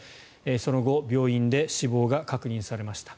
その後病院で死亡が確認されました。